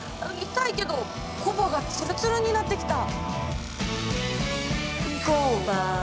痛いけどコバがつるつるになってきた！